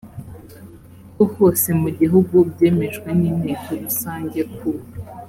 ho hose mu gihugu byemejwe n inteko rusange ku